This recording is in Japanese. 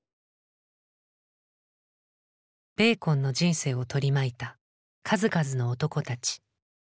ベーコンの人生を取り巻いた数々の男たち。